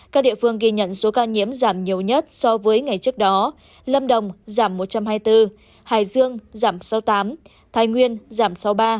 các địa phương ghi nhận số ca nhiễm giảm nhiều nhất so với ngày trước đó lâm đồng giảm một trăm hai mươi bốn hải dương giảm sáu mươi tám thái nguyên giảm sáu mươi ba ba